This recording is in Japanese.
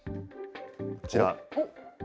こちら。